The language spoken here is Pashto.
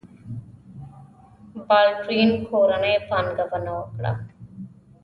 بالډوین کورنۍ پانګونه وکړه.